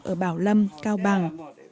ở bảo lâm cao bằng